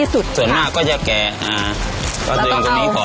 เสร็จแล้วก็แล้วก็